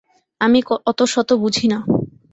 আমি অত শত বুঝি না।